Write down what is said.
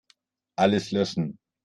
Alles löschen.